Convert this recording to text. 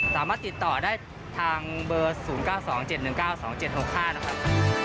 สามารถติดต่อได้ทางเบอร์๐๙๒๗๑๙๒๗๖๕นะครับ